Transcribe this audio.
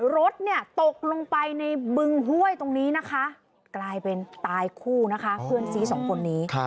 รถตกลงไปในบึงห้วยตรงนี้กลายเป็นตายคู่เพื่อนซี๒คนนี้